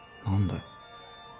何だよ。